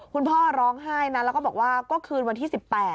คุณพ่อร้องไห้นะแล้วก็บอกว่าก็คืนวันที่๑๘